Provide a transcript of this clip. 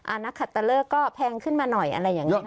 นักคัตเตอร์เลอร์ก็แพงขึ้นมาหน่อยอะไรอย่างนี้